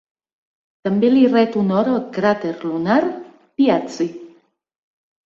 També li ret honor el cràter lunar "Piazzi".